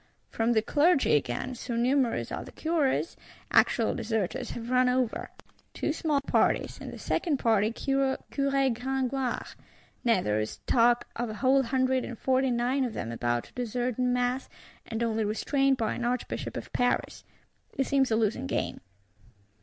From the Clergy again, so numerous are the Curés, actual deserters have run over: two small parties; in the second party Curé Gregoire. Nay there is talk of a whole Hundred and Forty nine of them about to desert in mass, and only restrained by an Archbishop of Paris. It seems a losing game.